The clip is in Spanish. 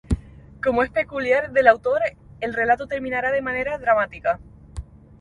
Como es peculiar del autor, el relato terminará de manera dramática.